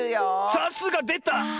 さすがでた！